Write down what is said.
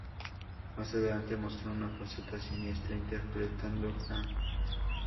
Más adelante mostró una faceta siniestra interpretando a Mr.